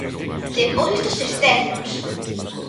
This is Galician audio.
Depósitos externos.